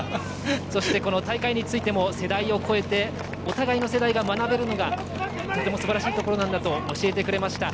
そして、大会についても世代を超えてお互いの世代が学べるのがとてもすばらしいところなんだと教えてくれました。